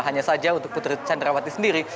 hanya saja untuk putri candrawati sendiri